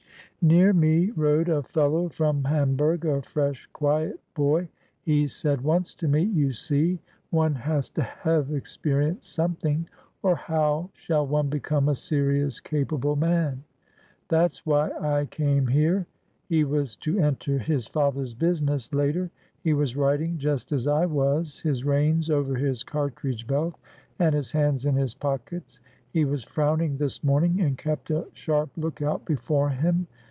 Near me rode a fellow from Hamburg, a fresh, quiet 475 SOUTH AFRICA boy. He said once to me: "You see, one has to have ex perienced something, or how shall one become a serious, capable man? That's why I came here." He was to enter his father's business later. He was riding just as I was, his reins over his cartridge belt and his hands in his pockets; he was frowning this morning, and kept a sharp lookout before him.